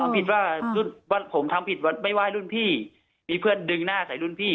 ผิดว่าผมทำผิดไม่ไหว้รุ่นพี่มีเพื่อนดึงหน้าใส่รุ่นพี่